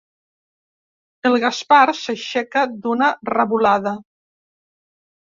El Gaspar s'aixeca d'una revolada.